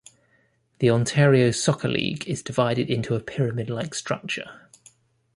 The Ontario Soccer League is divided into a pyramid-like structure.